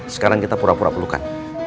sekarang kita pura pura pelukan